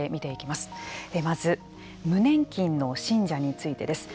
まず無年金の信者についてです。